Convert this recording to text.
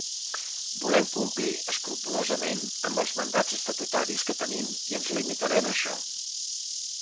Volem complir escrupolosament amb els mandats estatutaris que tenim i ens limitarem a això.